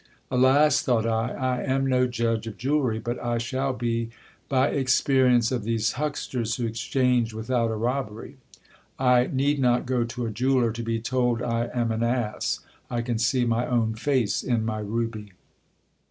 Alas ! thought I, I am no judge of jewellery, but I shall be, by experience of these hucksters who exchange without a robbery. I FABRIC 10 MEETS WITH GIL BIAS. 37 [ need not go to a jeweller to be told I am an ass ! I can see my own face in my ruby.